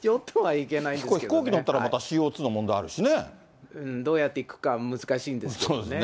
飛行機乗ったらまたＣＯ２のどうやって行くか、難しいんそうですね。